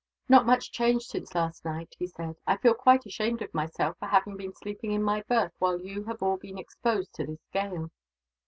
"Not much change since last night," he said. "I feel quite ashamed of myself, for having been sleeping in my berth while you have all been exposed to this gale."